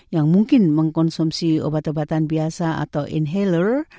yang mungkin mengkonsumsi obat obatan biasa atau inhaler